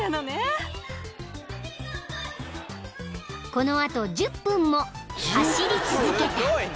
［この後１０分も走り続けた］